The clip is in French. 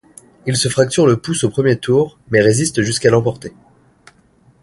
Il se fracture le pouce au premier tour, mais résiste jusqu'à l'emporter.